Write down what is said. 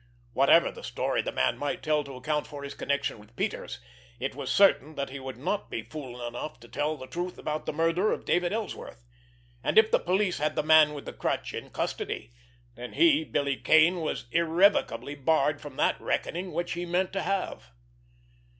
Whatever the story the man might tell to account for his connection with Peters, it was certain that he would not be fool enough to tell the truth about the murder of David Ellsworth! And if the police had the Man with the Crutch in custody, then he, Billy Kane, was irrevocably barred from that reckoning which he meant to have.